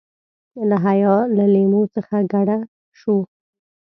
له حیا له لیمو څخه کډه شو.